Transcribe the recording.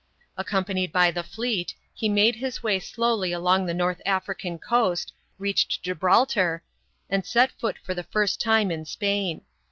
Accompanied by the fleet, he made his way slowly along the north African coast, reached Gibraltar, and set foot for the first time in Spain.